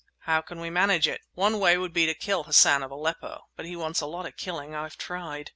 "How can we manage it? One way would be to kill Hassan of Aleppo; but he wants a lot of killing—I've tried!